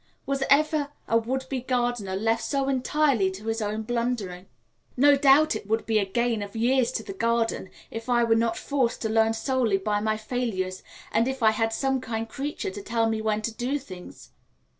Was ever a would be gardener left so entirely to his own blundering? No doubt it would be a gain of years to the garden if I were not forced to learn solely by my failures, and if I had some kind creature to tell me when to do things.